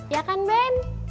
ya kan ben